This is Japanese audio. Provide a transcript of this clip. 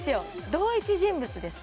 同一人物です